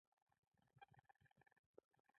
پابندی غرونه د افغانستان د صادراتو برخه ده.